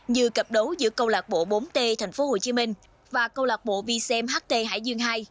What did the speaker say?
như cặp đấu giữa câu lạc bộ bốn t tp hcm và câu lạc bộ vcm ht hải dương hai